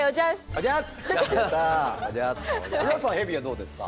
おじゃすさんヘビはどうですか？